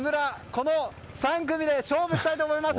この３組で勝負したいと思います！